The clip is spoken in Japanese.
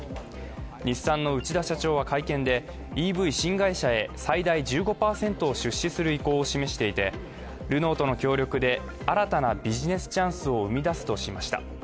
日産の内田社長は会見でＥＶ新会社へ最大１５％を出資する方針を示していてルノーとの協力で新たなビジネスチャンスを生み出すとしました。